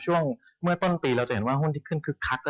เมื่อต้นปีเราจะเห็นว่าหุ้นที่ขึ้นคึกคัก